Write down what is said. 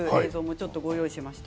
用意しました。